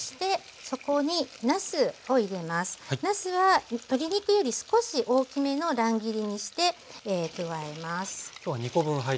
なすは鶏肉より少し大きめの乱切りにして加えます。